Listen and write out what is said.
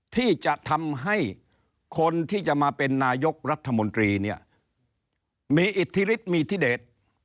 ที่จะทำให้คนที่จะมาเป็นนายกรัฐมนตรีเนี่ยมีอิทธิฤทธิมีทิเดช